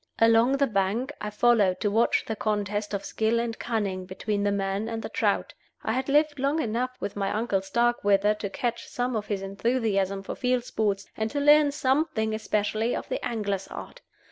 Along the bank I followed to watch the contest of skill and cunning between the man and the trout. I had lived long enough with my uncle Starkweather to catch some of his enthusiasm for field sports, and to learn something, especially, of the angler's art.